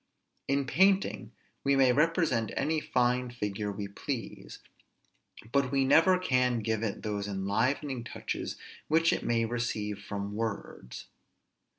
In painting we may represent any fine figure we please; but we never can give it those enlivening touches which it may receive from words.